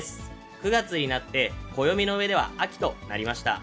９月になって、暦の上では秋となりました。